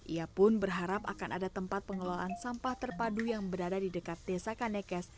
ia pun berharap akan ada tempat pengelolaan sampah terpadu yang berada di dekat desa kanekes